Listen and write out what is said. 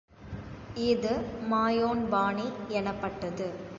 இது மாயோன் பாணி எனப்பட்டது.